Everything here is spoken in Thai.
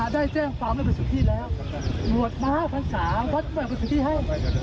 ได้นายนี่เนี่ยคือภาพของประโยชน์อาณิชย์ได้แล้วลง